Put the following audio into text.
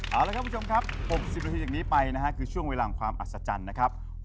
เอาละครับคุณผู้ชมครับ๖๐นาทีจากนี้ไปนะฮะคือช่วงเวลาของความอัศจรรย์นะครับ